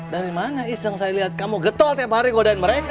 dari mana is yang saya lihat kamu getol tiap hari godain mereka